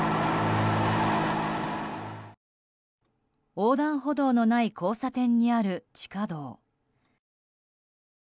横断歩道のない交差点にある地下道。